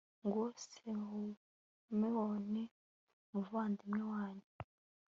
nguwo simewoni, umuvandimwe wanyu